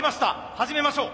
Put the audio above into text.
始めましょう。